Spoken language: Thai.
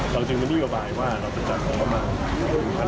เราจึงมันยืนกระบายว่าเราจะจัดของประมาณ